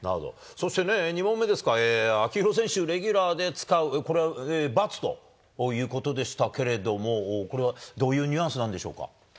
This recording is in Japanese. そしてね、２問目ですか、秋広選手をレギュラーで使う、これは×ということでしたけれども、これはどういうニュアンスなんでしょうか？